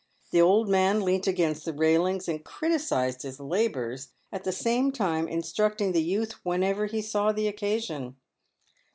The old man leant against the railings and criticised his labours, at the same time instructing the youth whenever he saw occasion.